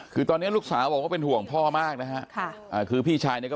คือตอนนี้ลูกสาวบอกว่าเป็นห่วงพ่อมากนะฮะค่ะอ่าคือพี่ชายเนี่ยก็